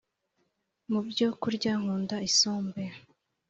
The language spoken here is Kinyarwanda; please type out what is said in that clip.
mu byo kurya nkunda isombe,